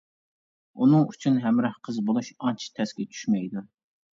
ئۇنىڭ ئۈچۈن ھەمراھ قىز بولۇش ئانچە تەسكە چۈشمەيدۇ.